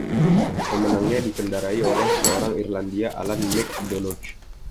Pemenangnya dikendarai oleh seorang Irlandia, Alan McDonough.